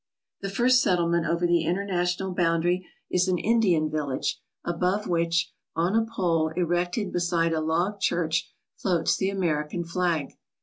The first settlement over the international boundary is an Indian village above which, on a pole erected beside a log church, floats the American flag.